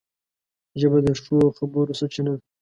ژبه د ښو ښو خبرو سرچینه ده